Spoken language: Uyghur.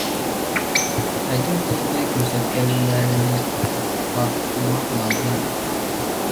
ئەجىر - تۆھپە كۆرسەتكەنلەرنى تارتۇقلىماق لازىم.